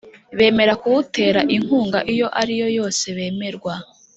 bemera kuwutera inkunga iyo ariyo yose Bemerwa